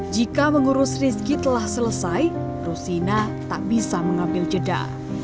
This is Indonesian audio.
jika mengurus rizki telah selesai rusina tak bisa mengambil jeda